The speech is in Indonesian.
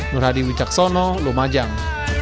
nur hadi wicaksono lumajang